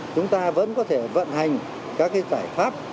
chúng ta vẫn có thể vận hành các giải pháp